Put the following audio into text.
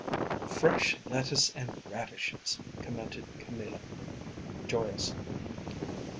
"Fresh lettuce and radishes!" commented Camilla, joyously.